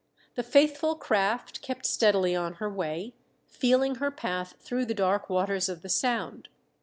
The faithful craft kept steadily on her way, feeling her path through the dark waters of the sound.